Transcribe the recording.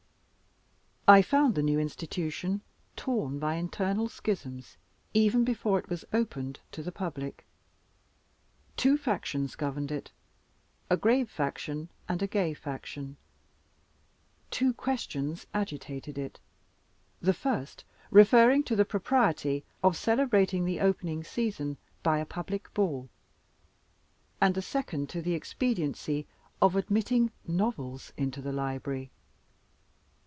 I found the new Institution torn by internal schisms even before it was opened to the public. Two factious governed it a grave faction and a gay faction. Two questions agitated it: the first referring to the propriety of celebrating the opening season by a public ball, and the second to the expediency of admitting novels into the library.